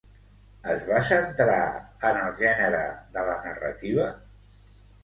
Es va centrar en el gènere de la narrativa?